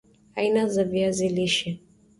aina za viazi lishe